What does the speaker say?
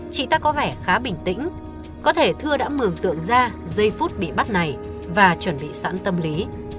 chị ta có vẻ khá bình tĩnh có thể thưa đã mường tượng ra giây phút bị bắt này và chuẩn bị sẵn tâm lý